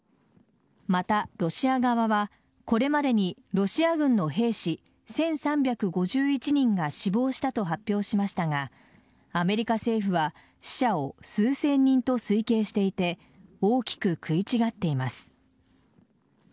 また、ロシア側はこれまでにロシア軍の兵士１３５１人が死亡したと発表しましたがアメリカ政府は死者を数千人と推計していて大きく食い違っています。